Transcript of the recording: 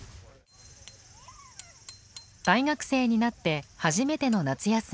大学生になって初めての夏休み。